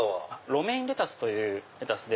ロメインレタスというレタスで。